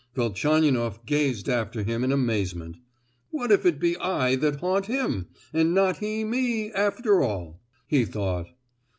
Velchaninoff gazed after him in amazement. "What if it be I that haunt him, and not he me, after all?" he thought.